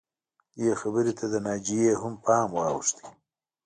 دې خبرې ته د ناجیې هم پام واوښته